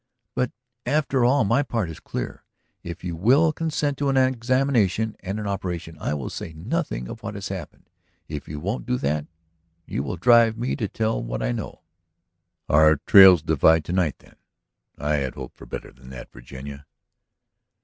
... But, after all, my part is clear; if you will consent to an examination and an operation I will say nothing of what has happened. If you won't do that ... you will drive me to tell what I know." "Our trails divide to night, then? I had hoped for better than that, Virginia."